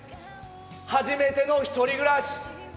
初めての１人暮らし。